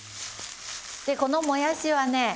でこのもやしはね